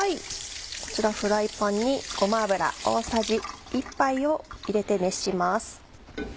こちらフライパンにごま油大さじ１杯を入れて熱します。